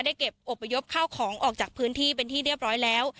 เก็บอบพยพเข้าของออกจากพื้นที่เป็นที่เรียบร้อยแล้ว